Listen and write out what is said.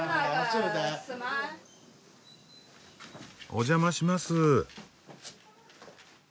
お邪魔します。